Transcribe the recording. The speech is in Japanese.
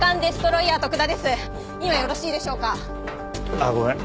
あっごめん。